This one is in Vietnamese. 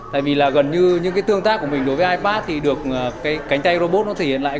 tại vì là gần như những cái tương tác của mình đối với ipad thì được cái cánh tay robot nó thể hiện lại